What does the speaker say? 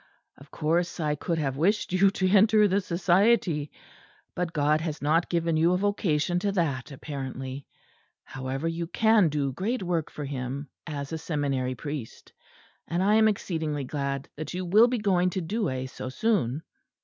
Of course I could have wished you to enter the Society; but God has not given you a vocation to that apparently. However, you can do great work for Him as a seminary priest; and I am exceedingly glad that you will be going to Douai so soon."